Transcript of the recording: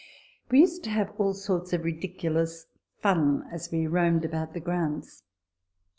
We used to have all sorts of ridiculous " fun " as we roamed about the grounds.